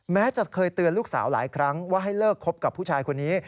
แม้จะเคยเตือนลูกสาวหลายครั้งว่าให้เลิกคบกับผู้ชายคนนี้